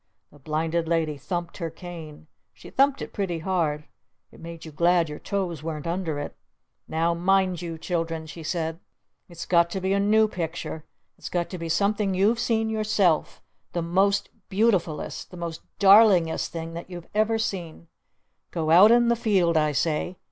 The Blinded Lady thumped her cane. She thumped it pretty hard. It made you glad your toes weren't under it. "Now mind you, Children!" she said. "It's got to be a new picture! It's got to be something you've seen yourself! The most beautifulest! The most darlingest thing that you've ever seen! Go out in the field I say!